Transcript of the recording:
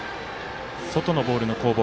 外のボールの攻防